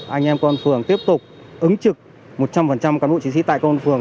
anh em công an phường tiếp tục ứng trực một trăm linh các nội trí sĩ tại công an phường